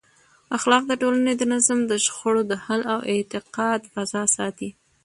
اخلاق د ټولنې د نظم، د شخړو د حل او د اعتماد فضا ساتي.